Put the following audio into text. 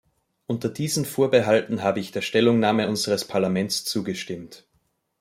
Unter diesen Vorbehalten habe ich der Stellungnahme unseres Parlaments zugestimmt.